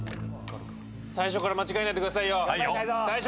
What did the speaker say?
最初から間違えないでくださいよ。